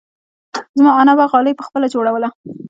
زما انا به غالۍ پخپله جوړوله.